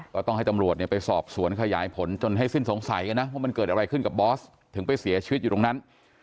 ก็ต้องให้ตำรวจเนี่ยไปสอบสวนขยายผลจนให้สิ้นสงสัยกันนะว่ามันเกิดอะไรขึ้นกับบอสถึงไปเสียชีวิตอยู่ตรงนั้น